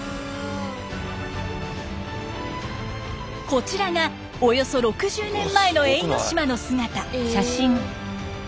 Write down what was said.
こちらがおよそ６０年前の永ノ島の姿。